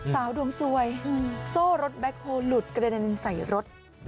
สาวดวงสวยโซ่รถแบ็คโฮลหลุดกระเด็นใส่รถ